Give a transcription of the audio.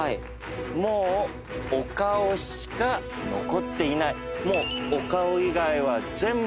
もうお顔しか残っていない。